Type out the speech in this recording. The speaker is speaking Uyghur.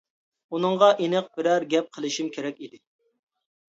ئۇنىڭغا ئېنىق بىرەر گەپ قىلىشىم كېرەك ئىدى.